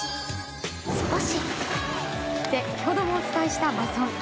そして先ほどもお伝えしたマラソン。